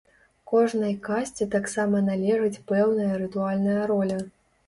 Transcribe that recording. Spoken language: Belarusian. Кожнай касце таксама належыць пэўная рытуальная роля.